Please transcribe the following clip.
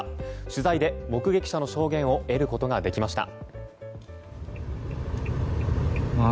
取材で目撃者の証言を得ることができました。